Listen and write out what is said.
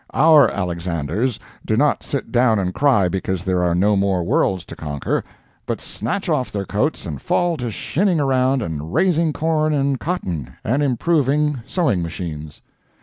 Our Alexanders do not sit down and cry because there are no more worlds to conquer, but snatch off their coats and fall to shinning around and raising corn and cotton, and improving sewing machines.